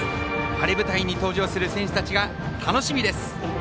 晴れ舞台に登場する選手たちが楽しみです。